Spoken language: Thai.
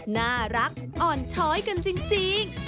น่ารักอ่อนช้อยกันจริง